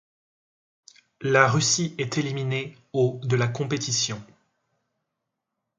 La Russie est éliminée au de la compétition.